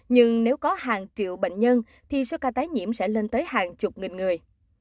nhưng nếu có hàng triệu bệnh nhân thì số ca tái nhiễm sẽ lên tới hàng chục nghìn người